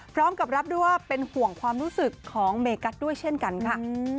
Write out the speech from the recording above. พร้อมกับรับด้วยว่าเป็นห่วงความรู้สึกของเมกัสด้วยเช่นกันค่ะ